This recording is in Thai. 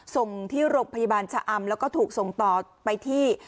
ส่งที่โรงพยาบาลชะอำแล้วก็ถูกส่งต่อไปที่